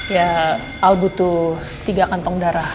ya al butuh tiga kantong darah